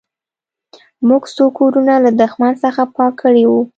موږ څو کورونه له دښمن څخه پاک کړي وو